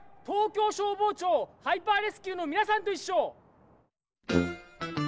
東京消防庁ハイパーレスキューのみなさんといっしょ。